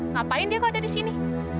ngapain dia kok ada disini